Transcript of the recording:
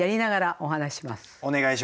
お願いします。